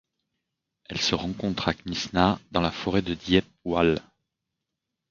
Elle se rencontre à Knysna dans la forêt de Diepwalle.